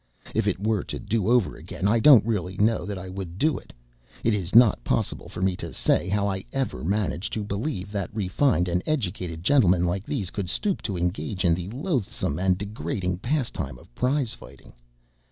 If it were to do over again, I don't really know that I would do it. It is not possible for me to say how I ever managed to believe that refined and educated gentlemen like these could stoop to engage in the loathsome and degrading pastime of prize fighting.